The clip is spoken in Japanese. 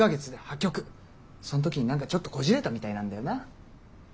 その時に何かちょっとこじれたみたいなんだよな。